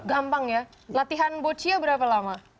gampang ya latihan bocia berapa lama